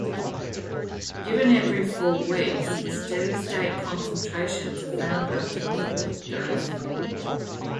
Given every four weeks, steady state concentrations are found after the fourth dose.